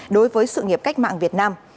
đối với sự nghiệp cách mạng việt nam